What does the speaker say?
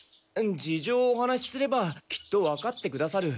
事情をお話しすればきっとわかってくださる。